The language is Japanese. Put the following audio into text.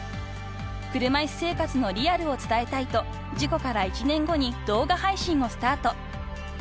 ［車椅子生活のリアルを伝えたいと事故から１年後に動画配信をスタート］